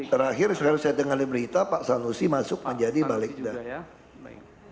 terakhir setelah saya dengar di berita pak sanusi masuk menjadi balik darat